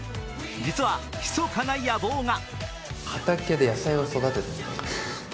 実はひそかな野望が。